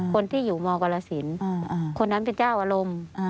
คนที่อยู่มกรสินคนนั้นเป็นเจ้าอารมณ์